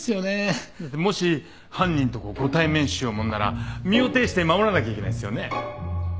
もし犯人とご対面しようものなら身をていして守らなきゃいけないんですよね？